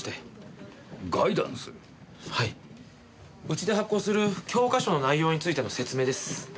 うちで発行する教科書の内容についての説明です。